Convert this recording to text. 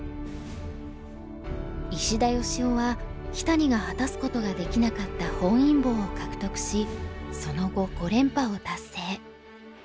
石田芳夫は木谷が果たすことができなかった本因坊を獲得しその後五連覇を達成。